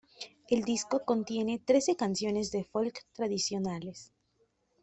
El disco contiene trece canciones de "folk" tradicionales.